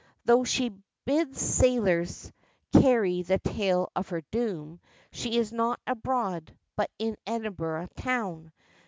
Though she bids sailors carry the tale of her doom, she is not abroad, but in Edinburgh town.